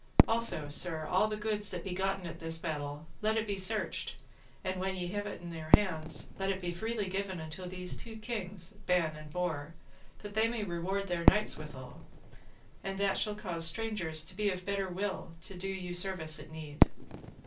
Also, sir, all the goods that be gotten at this battle, let it be searched, and when ye have it in your hands, let it be given freely unto these two kings, Ban and Bors, that they may reward their knights withal; and that shall cause strangers to be of better will to do you service at need.